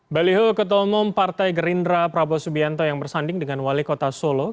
baliho ketua umum partai gerindra prabowo subianto yang bersanding dengan wali kota solo